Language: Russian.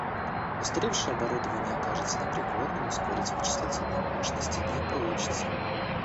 Устаревшее оборудование окажется непригодным: ускорить вычислительные мощности не получится